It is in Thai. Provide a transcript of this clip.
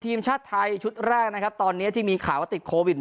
ทีมชาติไทยชุดแรกนะครับตอนนี้ที่มีข่าวว่าติดโควิด